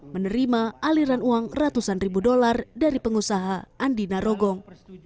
menerima aliran uang ratusan ribu dolar dari pengusaha andi narogong